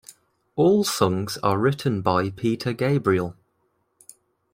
All songs are written by Peter Gabriel.